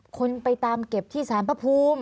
คนไปตามเก็บที่สารพระภูมิ